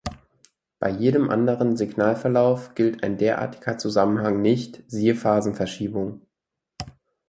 Bei jedem anderen Signalverlauf gilt ein derartiger Zusammenhang nicht, siehe Phasenverschiebung.